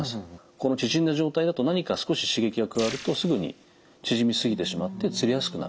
この縮んだ状態だと何か少し刺激が加わるとすぐに縮みすぎてしまってつりやすくなると。